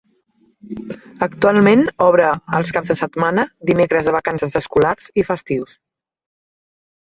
Actualment, obre els caps de setmana, dimecres de vacances escolars i festius.